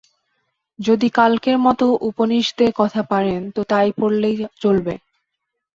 যদি কালকের মত উপনিষদের কথা পাড়েন তো তাই পড়লেই চলবে।